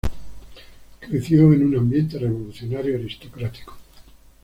Creció en un ambiente revolucionario aristocrático.